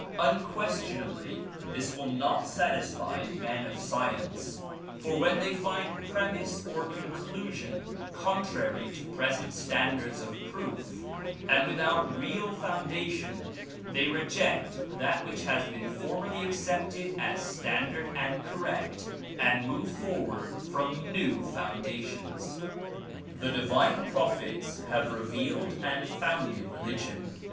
Unquestionably this will not satisfy men of science, for when they find premise or conclusion contrary to present standards of proof and without real foundation, they reject that which has been formerly accepted as standard and cor rect and move forward from new foundations. The divine prophets have revealed and founded religion.